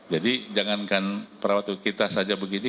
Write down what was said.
jadi jangankan perawat kita saja begini